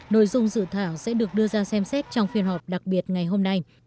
nội dung dự thảo sẽ được đưa ra xem xét trong phiên họp đặc biệt ngày hôm nay